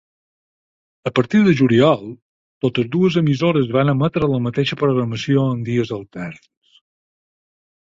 A partir de juliol totes dues emissores van emetre la mateixa programació en dies alterns.